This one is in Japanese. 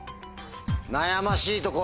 悩ましいところ。